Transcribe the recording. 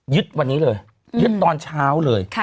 ยึดวันนี้เลยยึดตอนเช้าเลย